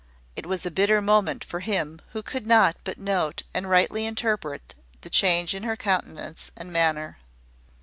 It was a bitter moment for him who could not but note and rightly interpret the change in her countenance and manner.